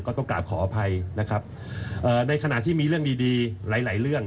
ต้องกลับขออภัยนะครับเอ่อในขณะที่มีเรื่องดีดีหลายหลายเรื่อง